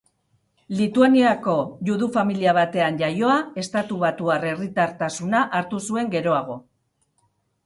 Lituaniako judu familia batean jaioa, estatubatuar herritartasuna hartu zuen geroago.